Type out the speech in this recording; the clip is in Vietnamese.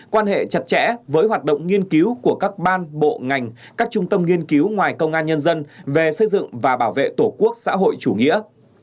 quan hệ chặt chẽ với hoạt động nghiên cứu của các ban bộ ngành các trung tâm nghiên cứu ngoài công an nhân dân về xây dựng và bảo vệ tổ quốc xã hội chủ nghĩa